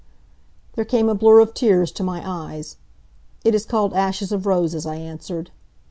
There came a blur of tears to my eyes. "It is called ashes of roses," I answered.